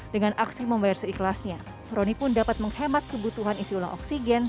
dengan aksi membayar seikhlasnya roni pun dapat menghemat kebutuhan isi ulang oksigen